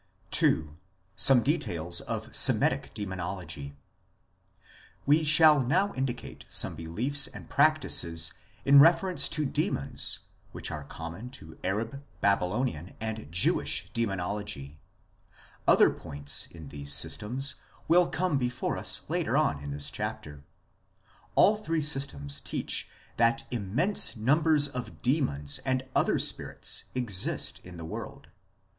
II. SOME DETAILS OF SEMITIC DEMONOLOGY We shall now indicate some beliefs and practices in refer ence to demons which are common to Arab, Babylonian, and Jewish Demonology ; other points in these systems will come before us later on in this chapter. All three systems teach that immense numbers of demons and other spirits exist in the world.